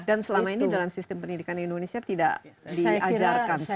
dan selama ini dalam sistem pendidikan indonesia tidak diajarkan selain sejarahnya